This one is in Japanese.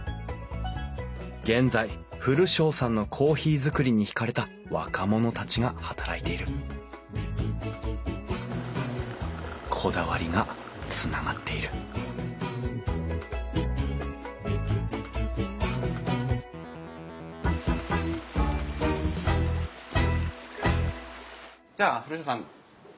現在古荘さんのコーヒーづくりにひかれた若者たちが働いているこだわりがつながっているじゃあ古荘さんこんな感じで。